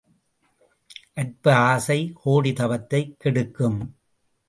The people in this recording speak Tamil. அற்ப ஆசை கோடி தவத்தைக் கெடுக்கும்.